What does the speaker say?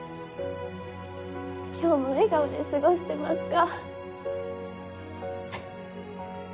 今日も笑顔で過ごしてますか？